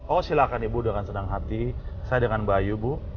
oh silahkan ibu dengan senang hati saya dengan bayu bu